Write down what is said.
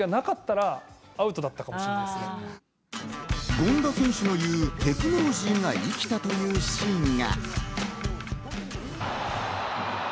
権田選手の言うテクノロジーが生きたというシーンが。